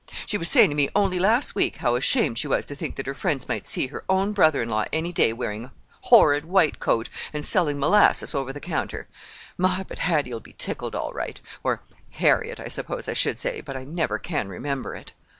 She was saying to me only last week how ashamed she was to think that her friends might see her own brother in law any day wearing horrid white coat, and selling molasses over the counter. My, but Hattie'll be tickled all right—or 'Harriet,' I suppose I should say, but I never can remember it."